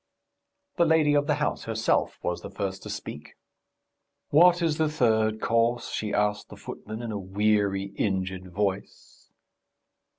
The lady of the house, herself, was the first to speak. "What is the third course?" she asked the footman in a weary, injured voice.